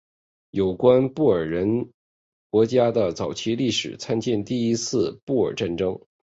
有关布尔人国家的早期历史参见第一次布尔战争。